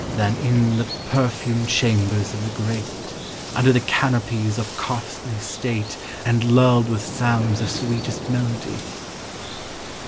Than in the perfumed chambers of the greac, Under the canopies of costly state, And lulled with sounds of sweetest melody?